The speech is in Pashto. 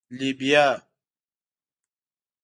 🫘 لبیا